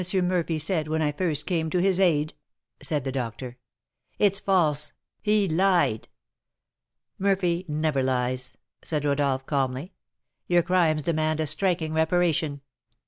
Murphy said when I first came to his aid," said the doctor. "It's false! He lied!" "Murphy never lies," said Rodolph, calmly. "Your crimes demand a striking reparation.